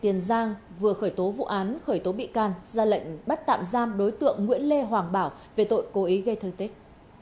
tiền giang vừa khởi tố vụ án khởi tố bị can ra lệnh bắt tạm giam đối tượng nguyễn lê hoàng bảo về tội cố ý gây thương tích